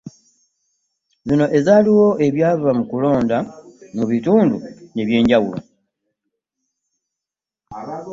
Zino ezaaliko ebyava mu kulonda mu bitundu ebyenjawulo